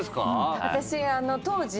私当時。